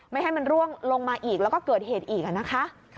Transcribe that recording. ไม่ให้มันร่วงลงมาอีกแล้วก็เกิดเหตุอีกนะคะ